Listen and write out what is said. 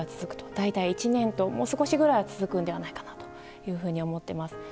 大体、１年ともう少しぐらいは続くのではないかと思っております。